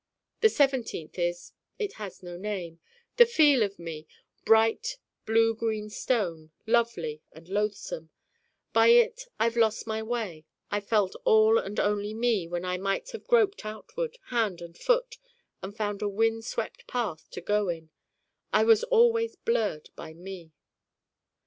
the seventeenth is it has no name the Feel of Me, bright blue green stone, lovely and loathesome by it I've lost my way, I've felt all and only Me when I might have groped outward, hand and foot, and found a wind swept path to go in: I was always blurred by Me.